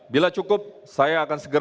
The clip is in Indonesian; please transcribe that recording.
bila cukup saya akan segera